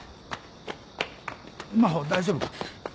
真帆大丈夫か？